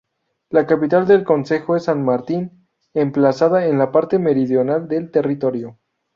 La capital del concejo es San Martín, emplazada en la parte meridional del territorio.